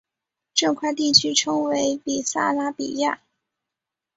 这块地区称为比萨拉比亚。